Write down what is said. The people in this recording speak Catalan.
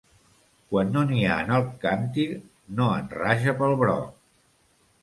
Quan no n'hi ha en el càntir, no en raja pel broc.